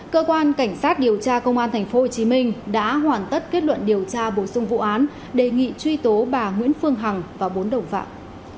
cơ quan cảnh sát điều tra công an tp hcm đã hoàn tất kết luận điều tra bổ sung vụ án đề nghị truy tố bà nguyễn phương hằng và bốn đồng phạm